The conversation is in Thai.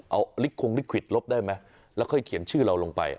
เอาลิคงลิขวิตลบได้ไหมแล้วค่อยเขียนชื่อเราลงไป